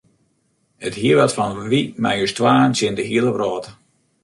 It hie wat fan wy mei ús twaen tsjin de hiele wrâld.